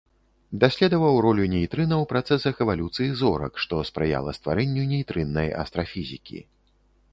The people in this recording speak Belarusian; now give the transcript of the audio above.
Даследаваў ролю нейтрына ў працэсах эвалюцыі зорак, што спрыяла стварэнню нейтрыннай астрафізікі.